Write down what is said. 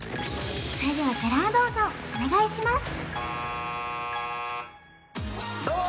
それではジェラードンさんお願いします